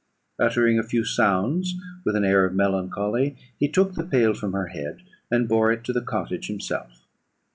Uttering a few sounds with an air of melancholy, he took the pail from her head, and bore it to the cottage himself.